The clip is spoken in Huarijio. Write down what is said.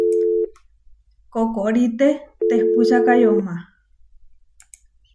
Kokoríʼte tehpúčaka yomá.